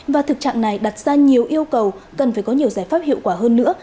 và thực trạng này đặt ra nhiều yêu cầu cần phải có nhiều giải pháp hiệu quả hơn nữa